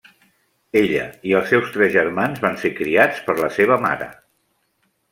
Ella i els seus tres germans van ser criats per la seva mare.